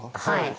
はい。